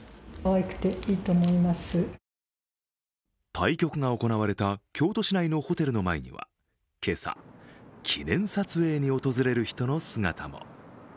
対局が行われた京都市内のホテルの前には今朝、記念撮影に訪れる人の姿も。